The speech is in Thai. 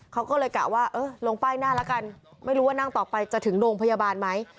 เขาก็เลยกะว่าเออลงป้ายหน้าแล้วกันไม่รู้ว่านั่งต่อไปจะถึงโรงพยาบาลไหม